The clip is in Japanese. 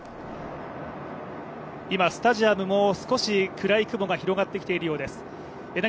今、スタジアムも少し暗い雲が広がってきているようです。